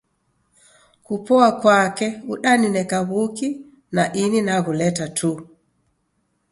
Kupoa kwake udanineka w'uki, na ini naghuleta tu.